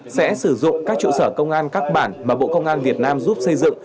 sẽ sử dụng các trụ sở công an các bản mà bộ công an việt nam giúp xây dựng